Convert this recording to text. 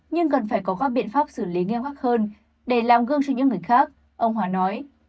nhưng cần phải có các biện pháp xử lý nghiêm khắc hơn để làm gương cho những người khác ông hòa nói